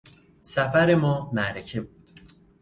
سفر ما معرکه بود.